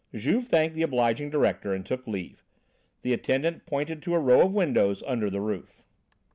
Juve thanked the obliging director and took leave. The attendant pointed to a row of windows under the roof.